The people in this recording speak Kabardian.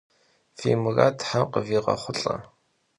Fi murad them khıviğexhulh'e!